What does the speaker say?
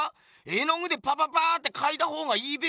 絵の具でパパパってかいた方がいいべよ？